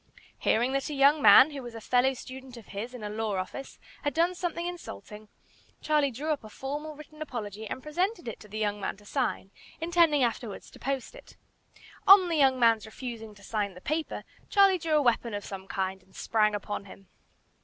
Hearing that a young man, who was a fellow student of his in a law office, had done something insulting, Charlie drew up a formal written apology and presented it to the young man to sign, intending afterwards to post it. On the young man's refusing to sign the paper, Charlie drew a weapon of some kind and sprang upon him.